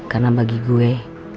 karena bagi gue